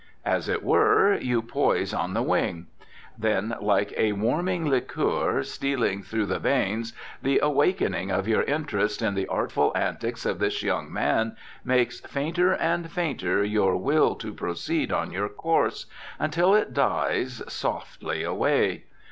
As it were, you poise on the wing. Then, like a warming liquor stealing through the veins, the awakening of your interest in the artful antics of this young man makes fainter and fainter your will to proceed on your course, until it dies softly away.